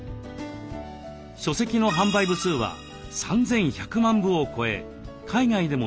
書籍の販売部数は３，１００万部を超え海外でも出版されています。